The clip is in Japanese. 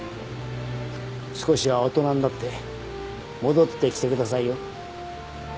少しは大人になって戻ってきてくださいよ。